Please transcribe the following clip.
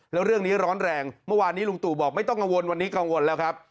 แล้วเรื่องนี้ร้อนแรงเมื่อวานนี้ลุงตู่บอกไม่ต้องกังวลวันนี้กังวลแล้วครับ